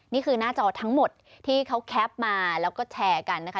นี่คือหน้าจอทั้งหมดที่เขาแคปมาแล้วก็แชร์กันนะคะ